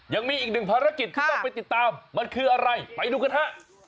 ยังมีอีกหนึ่งภารกิจที่ต้องไปติดตามมันคืออะไรไปดูกันฮะ